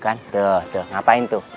kan tuh tuh ngapain tuh